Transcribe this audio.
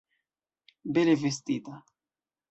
Bele vestita.